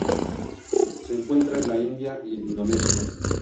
Se encuentra en la India y en Indonesia.